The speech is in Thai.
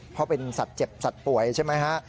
เพราะเป็นสัตว์เจ็บสัตว์ป่วยใช่ไหมฮะ